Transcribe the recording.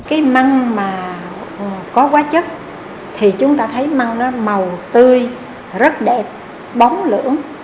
cái măng mà có hóa chất thì chúng ta thấy măng nó màu tươi rất đẹp bóng lưỡng